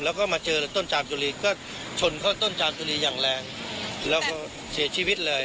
แล้วก็มาเจอต้นจามจุรีก็ชนเข้าต้นจามจุลีอย่างแรงแล้วก็เสียชีวิตเลย